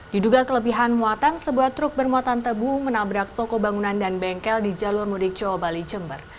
diduga kelebihan muatan sebuah truk bermuatan tebu menabrak toko bangunan dan bengkel di jalur mudik jawa bali jember